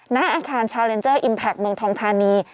ณอาคารชาวเลนเจอร์อิมแพคเมืองทองทานี